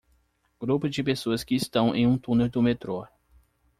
Grupo de pessoas que estão em um túnel do metrô.